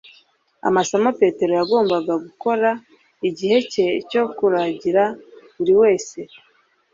amasomo. petero yagombaga gukora igihe cye cyo kuragira buriwese